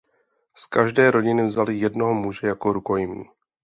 Z každé rodiny vzali jednoho muže jako rukojmí.